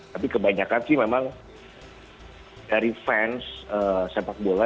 tapi kebanyakan sih memang dari fans sepak bola